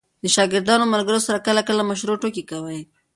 د شاګردانو او ملګرو سره کله – کله مشروع ټوکي کوئ!